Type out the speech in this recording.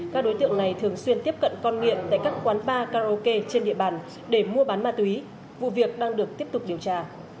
các đối tượng này thường xuyên tiếp cận con nghiện tại các quán bar karaoke trên địa bàn để mua bán ma túy vụ việc đang được tiếp tục điều tra